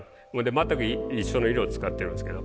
全く一緒の色を使ってるんですけど。